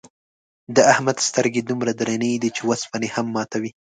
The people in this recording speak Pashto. د احمد سترگې دومره درنې دي، چې اوسپنې هم ماتوي.